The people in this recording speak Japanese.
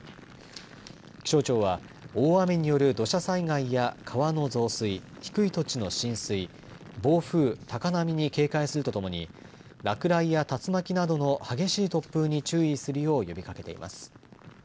気象庁は大雨による土砂災害や川の増水、低い土地の浸水、暴風、高波に警戒するとともに落雷や竜巻などの激しい突風に注意するよう呼びかけています。